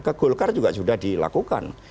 ke golkar juga sudah dilakukan